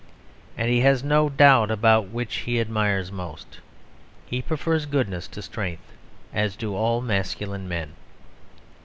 And he has no doubt about which he admires most; he prefers goodness to strength, as do all masculine men.